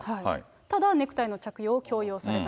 ただ、ネクタイの着用を強要された。